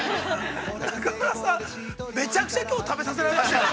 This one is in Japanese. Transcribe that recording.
◆中村さん、めちゃくちゃ、きょう、食べさせられましたよね。